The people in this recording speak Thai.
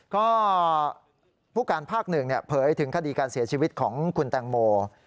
ก็ผู้ภาคหนึ่งเผยถึงคดีการเสียชีวิตของคุณแตงโม